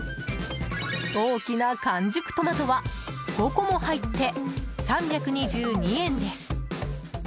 大きな完熟トマトは５個も入って３２２円です。